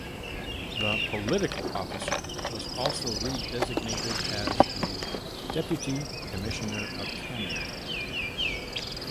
The "Political Officer" was also redesignated as the "Deputy Commissioner of Kameng".